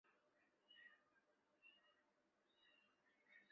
株式会社潮出版社是新宗教团体创价学会下的一个出版社。